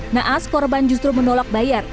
naas korban justru menolak bayar